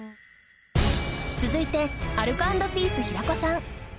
続いてアルコ＆ピース平子さん